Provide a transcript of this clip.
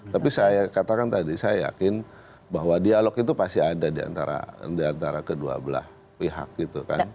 tapi saya katakan tadi saya yakin bahwa dialog itu pasti ada di antara kedua belah pihak gitu kan